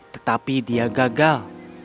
tetapi dia gagal